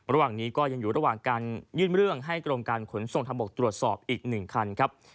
ระหว่างนี้ก็ยังอยู่ระหว่างการยื่นเรื่องให้กรมการขนส่งทางบกตรวจสอบอีก๑คันครับ